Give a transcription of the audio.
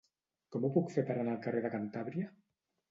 Com ho puc fer per anar al carrer de Cantàbria?